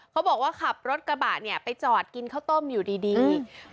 เขาบอกว่าขับรถกระบะเนี่ยไปจอดกินข้าวต้มอยู่ดี